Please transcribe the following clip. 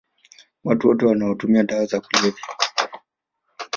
Watu wote wanaotumia dawa za kulevya